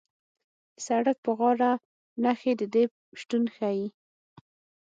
د سړک په غاړه نښې د دې شتون ښیي